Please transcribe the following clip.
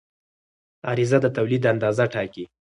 عرضه د تولید اندازه ټاکي.